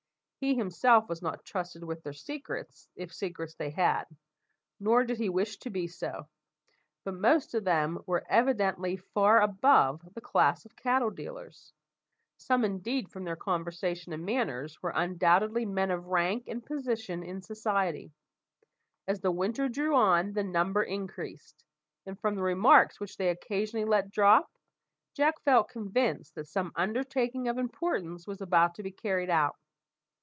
He himself was not trusted with their secrets, if secrets they had; nor did he wish to be so; but most of them were evidently far above the class of cattle dealers. Some, indeed, from their conversation and manners, were undoubtedly men of rank and position in society. As the winter drew on, the number increased; and from the remarks which they occasionally let drop, Jack felt convinced that some undertaking of importance was about to be carried out.